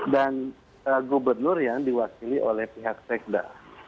dan gubernur yang diwakili oleh pihak sekda